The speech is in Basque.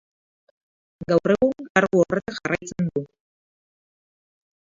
Gaur egun kargu horretan jarraitzen du.